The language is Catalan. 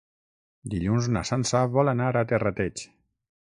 Dilluns na Sança vol anar a Terrateig.